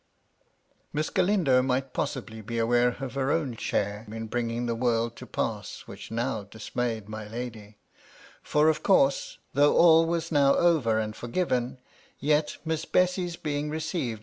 Miss Galindo might possibly be aware of her own share in bringing the world to the pass which now dismayed my lady, — ^for, of course, though all was now over and forgiven, yet Miss Bessy's being received 326 MY LADY LUDLOW.